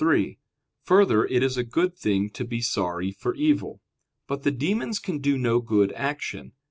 3: Further, it is a good thing to be sorry for evil. But the demons can do no good action.